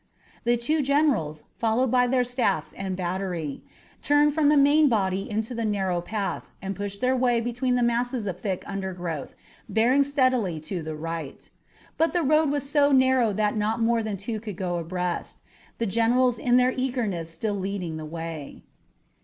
The two generals, followed by their staffs and a battery, turned from the main body into the narrow path and pushed their way between the masses of thick undergrowth, bearing steadily toward the right. But the road was so narrow that not more than two could go abreast, the generals in their eagerness still leading the way.